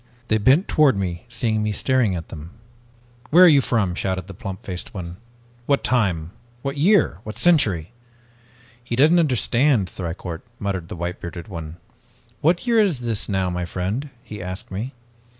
"They bent toward me, seeing me staring at them. "'Where are you from?' shouted the plump faced one. 'What time what year what century?' "'He doesn't understand, Thicourt,' muttered the white bearded one. 'What year is this now, my friend?' he asked me.